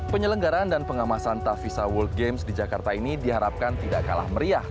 penyelenggaran dan pengamasan tavisa world games di jakarta ini diharapkan tidak kalah meriah